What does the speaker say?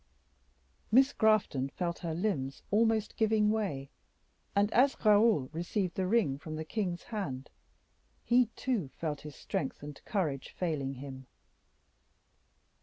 Miss Grafton felt her limbs almost giving way; and, as Raoul received the ring from the king's hand, he, too, felt his strength and courage failing him.